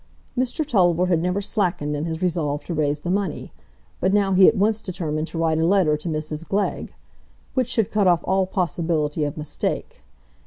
Mr Tulliver had never slackened in his resolve to raise the money, but now he at once determined to write a letter to Mrs Glegg, which should cut off all possibility of mistake.